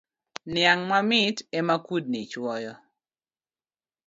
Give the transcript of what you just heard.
Niang mamit ema kudni chuoyo